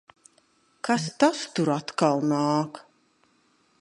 Kas tas tur atkal nāk?